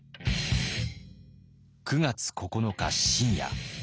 ９月９日深夜。